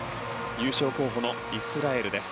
優勝候補のイスラエルです。